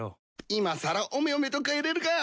いまさらおめおめと帰れるか！